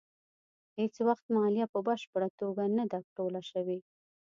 هېڅ وخت مالیه په بشپړه توګه نه ده ټوله شوې.